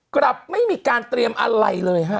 กลับไม่มีการเตรียมอะไรเลยฮะ